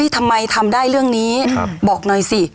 ทำไมทำได้เรื่องนี้บอกหน่อยสิ